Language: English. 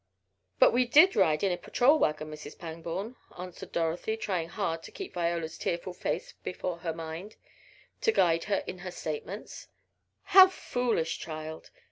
"But we did ride in a patrol wagon, Mrs. Pangborn," answered Dorothy, trying hard to keep Viola's tearful face before her mind, to guide her in her statements. "How foolish, child.